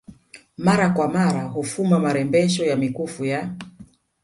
mara kwa mara hufuma marembesho na mikufu ya